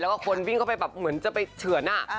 แล้วก็คนวิ่งเข้าไปแบบเหมือนจะไปเฉือน